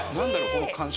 この感触。